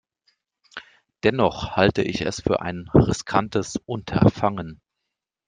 Dennoch halte ich es für ein riskantes Unterfangen.